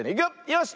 よし。